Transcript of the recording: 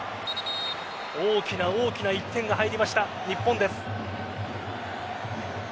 大きな大きな１点が入りました日本です。